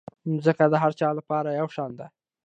مځکه د هر چا لپاره یو شان ده.